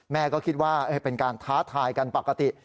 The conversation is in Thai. แม่ก็คิดว่าเป็นการท้าทายกันปกติ